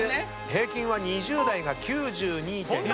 平均は２０代が９２．２キロ。